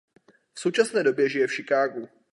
V současné době žije v Chicagu.